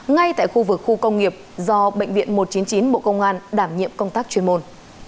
ngay tại khu vực khu công nghiệp do bệnh viện một trăm chín mươi chín bộ công an đảm nhiệm công tác chuyên môn